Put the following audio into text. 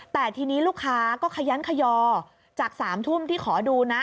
แต่ทีนี้ลูกค้าก็ขยันขยอจาก๓ทุ่มที่ขอดูนะ